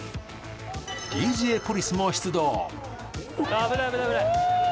ＤＪポリスも出動。